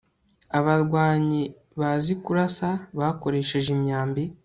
abarwanyi bazi kurasa bakoresheje imyambi